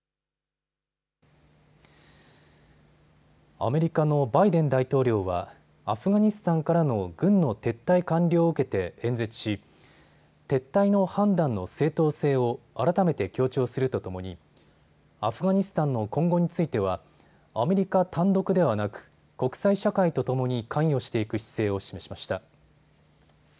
アメリカのバイデン大統領はアフガニスタンからの軍の撤退完了を受けて演説し撤退の判断の正当性を、改めて強調するとともにアフガニスタンの今後についてはアメリカ単独ではなく国際社会とともに関与していく姿勢を示しました。